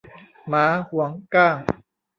หมาหวงก้าง